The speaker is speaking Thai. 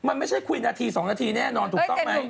มันไม่ใช่คุยนาที๒นาทีแน่นอนถูกต้องไหม